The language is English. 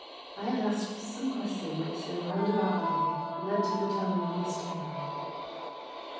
I had asked some question which, in a roundabout way, led to the telling of this tale.